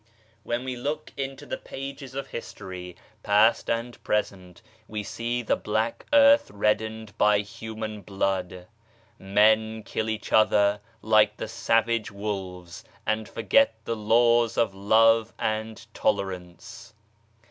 When we look into the pages of history, past and present, we see the black earth reddened by human blood. Men kill each other like the savage wolves, and forget the laws of Love and Tolerance.